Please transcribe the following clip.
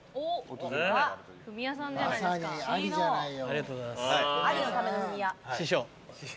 ありがとうございます。